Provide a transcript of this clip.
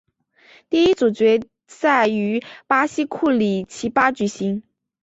第一组决赛于巴西库里奇巴举行。